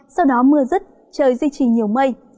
sau đó mưa rứt trời duy trì nhiều mây